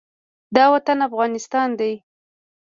دا وطن افغانستان دی